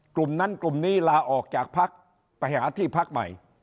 กลุ่มนั้นกลุ่มนี้ลาออกจากพักไปหาที่พักใหม่